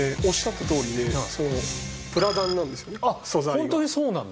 あっホントにそうなんだ。